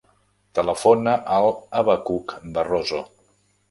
Telefona al Abacuc Barroso.